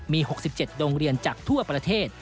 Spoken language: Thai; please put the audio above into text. มี๖๗โรงเรียนจากทั่วประเทศ